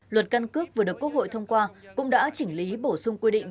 luật căn cước vừa được quốc hội thông qua cũng đã chỉnh lý bổ sung quy định